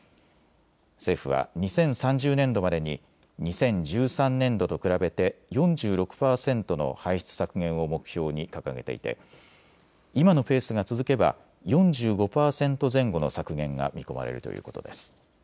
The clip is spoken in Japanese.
政府は２０３０年度までに２０１３年度と比べて４６％の排出削減を目標に掲げていて今のペースが続けば４５％前後の削減が見込まれるということです。